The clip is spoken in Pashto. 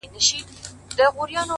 o پرون دي بيا راته غمونه راكړل ـ